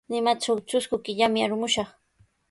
Limatraw trusku killami arumushaq.